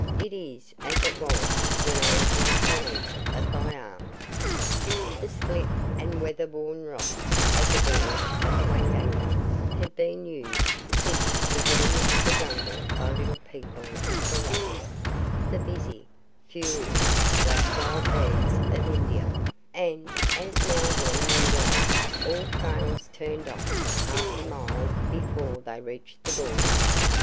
It is as it was when I was not the length of thy arm." The split and weatherworn rocks of the gorge of the Waingunga had been used since the beginning of the Jungle by the Little People of the Rocks the busy, furious, black wild bees of India; and, as Mowgli knew well, all trails turned off half a mile before they reached the gorge.